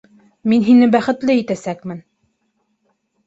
Мин һине бәхетле итәсәкмен!